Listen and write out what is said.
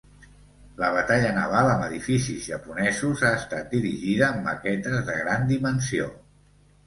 La batalla naval amb edificis japonesos ha estat dirigida amb maquetes de gran dimensió.